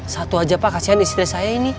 satu aja pak kasihan istri saya ini